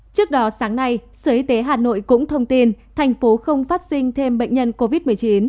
trước đó sáng nay sở y tế hà nội cũng thông tin thành phố không phát sinh thêm bệnh nhân covid một mươi chín